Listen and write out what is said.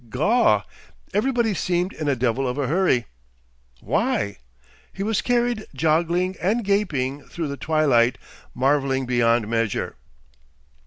Gaw! Everybody seemed in a devil of a hurry. Why? He was carried joggling and gaping through the twilight, marvelling beyond measure.